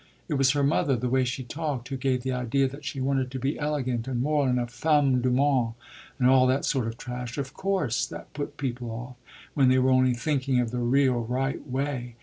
It was her mother, the way she talked, who gave the idea that she wanted to be elegant and moral and a femme du monde and all that sort of trash. Of course that put people off, when they were only thinking of the real right way.